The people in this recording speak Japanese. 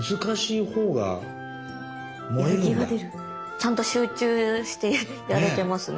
ちゃんと集中してやれてますね